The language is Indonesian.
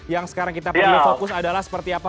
yang sekarang kita perlu fokus adalah seperti apa